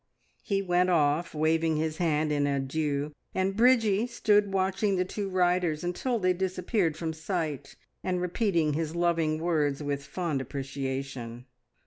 He went off waving his hand in adieu, and Bridgie stood watching the two riders until they disappeared from sight, and repeating his loving words with fond appreciation.